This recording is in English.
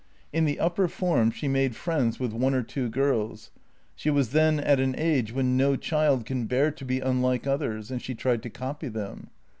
In the upper form she made friends with one or two girls; she was then at an age when no child can bear to be unlike others, and she tried to copy them.